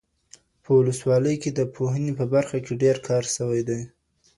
په ولسوالۍ کي د پوهنې په برخه کي ډېر کار سوی دی